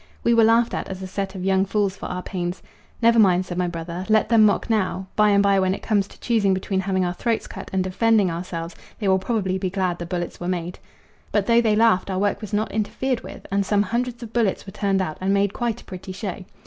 We were laughed at as a set of young fools for our pains. "Never mind," said my brother. "Let them mock now; by and by when it comes to choosing between having our throats cut and defending ourselves, they will probably be glad the bullets were made." But though they laughed, our work was not interfered with, and some hundreds of bullets were turned out and made quite a pretty show.